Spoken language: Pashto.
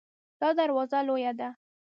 دا دروازه لویه ده